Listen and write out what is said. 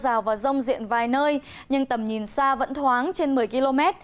rào và rông diện vài nơi nhưng tầm nhìn xa vẫn thoáng trên một mươi km